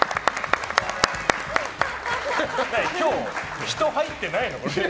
今日、人、入ってないの？